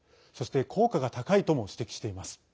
そして、効果が高いとも指摘しています。